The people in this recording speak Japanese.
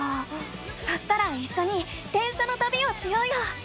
そしたらいっしょに電車のたびをしようよ！